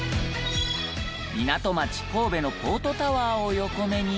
港町神戸のポートタワーを横目に。